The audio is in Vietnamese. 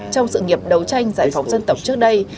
trong sự nghiệp đấu tranh giải phóng dân tộc trước đây